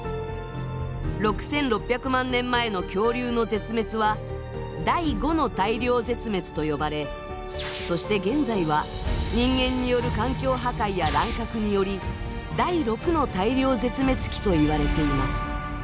６，６００万年前の恐竜の絶滅は「第５の大量絶滅」と呼ばれそして現在は人間による環境破壊や乱獲により第６の大量絶滅期といわれています。